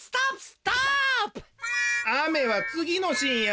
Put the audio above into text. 雨はつぎのシーンや。